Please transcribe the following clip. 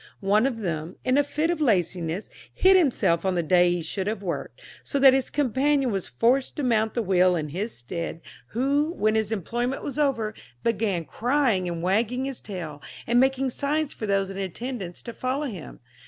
One of them, in a fit of laziness, hid himself on the day he should have worked, so that his companion was forced to mount the wheel in his stead, who, when his employment was over, began crying and wagging his tail, and making signs for those in attendance to follow him.